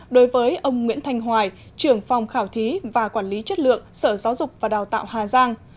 đối với ông nguyễn thanh hoài trưởng phòng khảo thí và quản lý chất lượng sở giáo dục và đào tạo hà giang